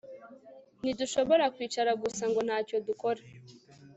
Ntidushobora kwicara gusa ngo ntacyo dukora